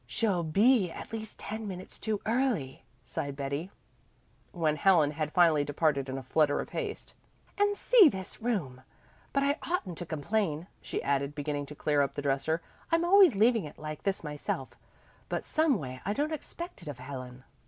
"She'll be at least ten minutes too early," sighed Betty, when Helen had finally departed in a flutter of haste. "And see this room! But I oughtn't to complain," she added, beginning to clear up the dresser. "I'm always leaving it like this myself; but someway I don't expect it of Helen."